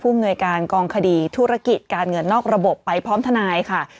อำนวยการกองคดีธุรกิจการเงินนอกระบบไปพร้อมทนายค่ะ